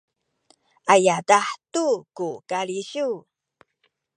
a yadah tu ku kalisiw